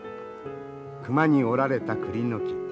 熊に折られたクリの木。